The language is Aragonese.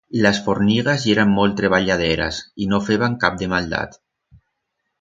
Las fornigas yeran molt treballaderas y no feban cap de maldat.